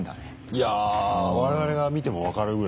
いや我々が見ても分かるぐらいね。